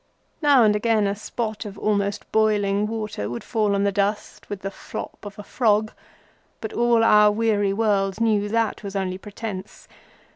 Now and again a spot of almost boiling water would fall on the dust with the flop of a frog, but all our weary world knew that was only pretence.